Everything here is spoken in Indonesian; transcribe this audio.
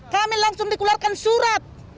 kami langsung dikularkan surat